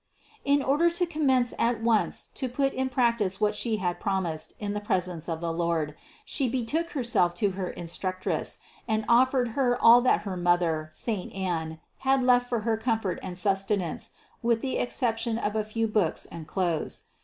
344 CITY OF GOD 438. In order to commence at once to put in practice what She had promised in the presence of the Lord, She betook Herself to her instructress and offered her all that her mother, saint Anne, had left for her comfort and sus tenance, with the exception of a few books and clothes.